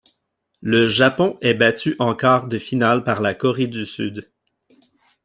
Le Japon est battu en quart de finale par la Corée du Sud.